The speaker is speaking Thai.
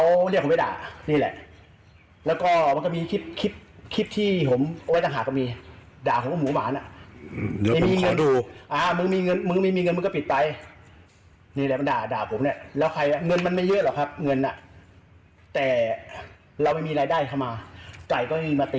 หลังจากมีการแจ้งข้อกลับหาในอำเภอแล้วนะครับ